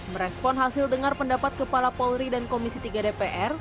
merespon hasil dengar pendapat kepala polri dan komisi tiga dpr